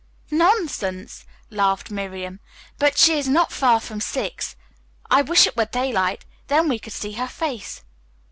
"Nonsense," laughed Miriam. "But she is not far from six. I wish it were daylight, then we could see her face."